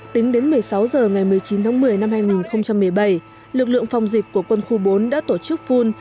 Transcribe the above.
tính đến một mươi sáu h ngày một mươi chín tháng một mươi năm hai nghìn một mươi bảy lực lượng phòng dịch của quân khu bốn đã tổ chức phun